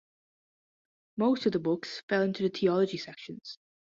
Most of the books fell into the theology sections.